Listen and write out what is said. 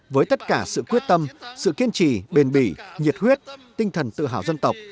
với tất cả sự quyết tâm sự kiên trì bền bỉ nhiệt huyết tinh thần tự hào dân tộc